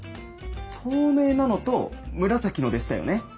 透明なのと紫のでしたよね！